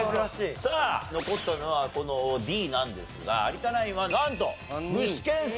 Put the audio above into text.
さあ残ったのはこのＤなんですが有田ナインはなんと具志堅さん